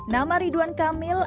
nama ridwan kamil